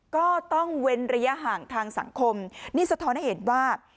ก็ต้องเว้นระยะห่างทางสังคมนี่สะท้อนให้เห็นว่า